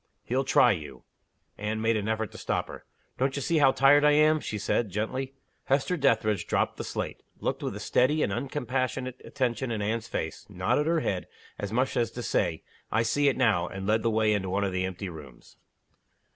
He'll try you." Anne made an effort to stop her. "Don't you see how tired I am?" she said, gently. Hester Dethridge dropped the slate looked with a steady and uncompassionate attention in Anne's face nodded her head, as much as to say, "I see it now" and led the way into one of the empty rooms.